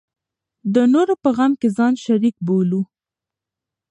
د نورو په غم کې ځان شریک بولو.